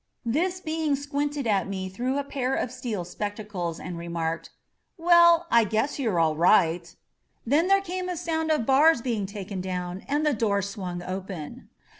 This being squinted at me through a pair of steel spectacles and remarked, ^'Well, I guess you're all right!" Then there came a sound of bars being taken down, and the door swung open.